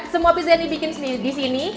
semua pizza yang dibikin di sini